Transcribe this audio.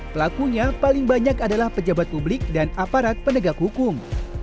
pelakunya paling banyak adalah pejabat publik dan aparat penegak hukum